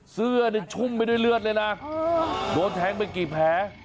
เสื้อนี่ชุ่มไปด้วยเลือดเลยนะโดนแทงไปกี่แผล